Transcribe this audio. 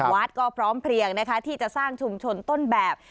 วัดก็พร้อมเพลียงนะคะที่จะสร้างชุมชนต้นแบบ